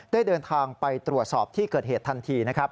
ได้เดินทางไปตรวจสอบที่เกิดเหตุทันทีนะครับ